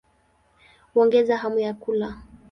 Huongeza hamu ya kula.